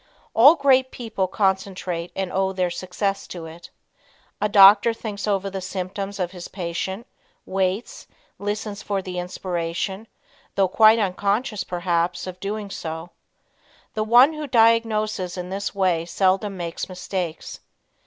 All great people concentrate and owe their success to it. The doctor thinks over the symptoms of his patient, waits, listens for the inspiration, though quite unconscious, perhaps, of doing so. The one who diagnoses in this way seldom makes mistakes.